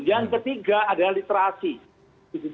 yang ketiga adalah literasi